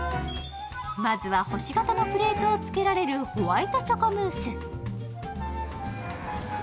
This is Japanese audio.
まずは、星形のプレートをつけられるホワイトチョコムース。